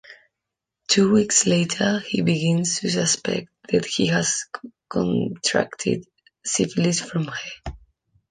Two weeks later he begins to suspect that he has contracted syphilis from her.